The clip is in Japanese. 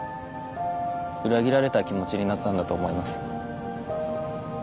裏切られた気持ちになったんだと思います。